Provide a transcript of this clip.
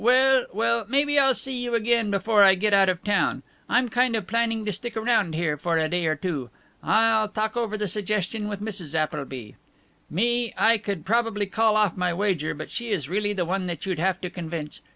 Well well, maybe I'll see you again before I get out of town. I'm kind of planning to stick around here for a day or two. I'll talk over the suggestion with Mrs. Appleby. Me, I could probably call off my wager; but she is really the one that you'd have to convince.